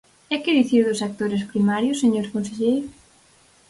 ¿E que dicir dos sectores primarios, señor conselleiro?